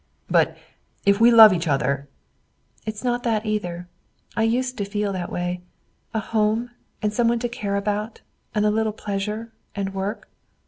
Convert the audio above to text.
"But if we love each other " "It's not that, either. I used to feel that way. A home, and some one to care about, and a little pleasure and work."